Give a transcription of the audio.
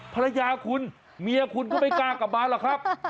ภรรยาคุณเมียคุณก็ไม่กล้ากลับมาหรอกครับ